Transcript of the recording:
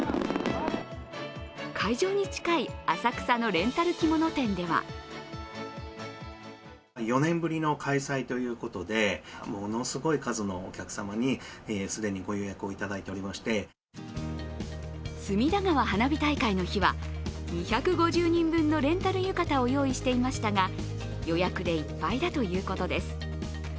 会場に近い浅草のレンタル着物店では隅田川花火大会の日は２５０人分のレンタル浴衣を用意していましたが予約でいっぱいだということです。